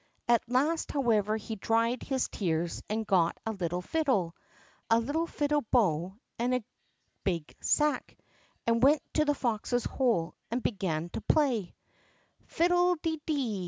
At last, however, he dried his tears and got him a little fiddle, a little fiddle bow, and a big sack, and went to the fox's hole and began to play: "Fiddle de dee!